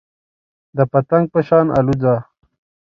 د پتنګ په شان الوځه .